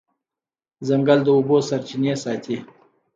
ځنګل د اوبو سرچینې ساتي.